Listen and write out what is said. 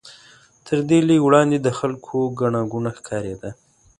تر دې لږ وړاندې د خلکو ګڼه ګوڼه ښکارېده.